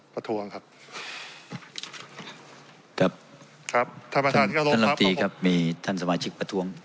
ประทวงครับครับครับท่านลำตีครับมีท่านสมาชิกประทวง